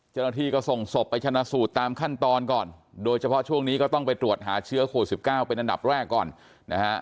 เจ้าหน้าที่ก็ส่งศพไปชนะสูตรตามขั้นตอนก่อนโดยเฉพาะช่วงนี้ก็ต้องไปตรวจหาเชื้อโควิด๑๙เป็นอันดับแรกก่อนนะฮะ